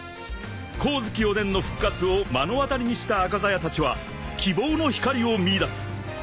［光月おでんの復活を目の当たりにした赤鞘たちは希望の光を見いだす］